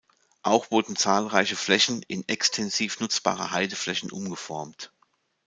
Auch wurden zahlreiche Flächen in extensiv nutzbare Heideflächen umgeformt.